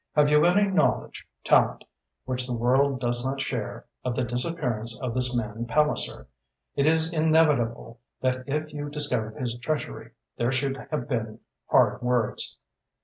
"Have you any knowledge, Tallente, which the world does not share, of the disappearance of this man Palliser? It is inevitable that if you discovered his treachery there should have been hard words.